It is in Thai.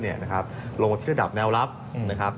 ลงมาที่ระดับแนวรับนะครับ